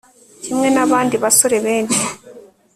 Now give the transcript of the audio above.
kimwe nabandi basore benshi